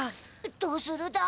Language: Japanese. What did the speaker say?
どうするだ？